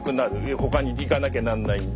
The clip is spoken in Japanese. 他に行かなきゃなんないんで。